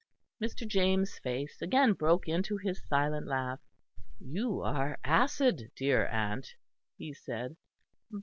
Mr. James' face again broke into his silent laugh. "You are acid, dear aunt," he said.